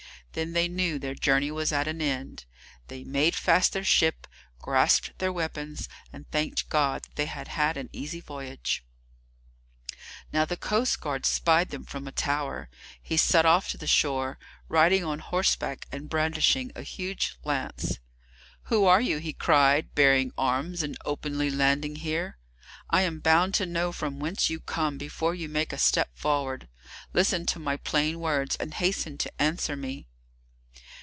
Then they knew their journey was at an end; they made fast their ship, grasped their weapons, and thanked God that they had had an easy voyage. Now the coastguard spied them from a tower. He set off to the shore, riding on horseback, and brandishing a huge lance. "Who are you," he cried, "bearing arms and openly landing here? I am bound to know from whence you come before you make a step forward. Listen to my plain words, and hasten to answer me."